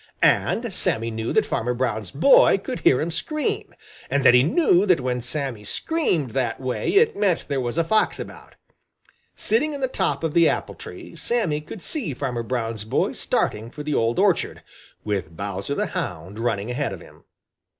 And Sammy knew that Farmer Brown's boy could hear him scream, and that he knew that when Sammy screamed that way it meant there was a fox about. Sitting in the top of the apple tree, Sammy could see Farmer Brown's boy starting for the old orchard, with Bowser the Hound running ahead of him.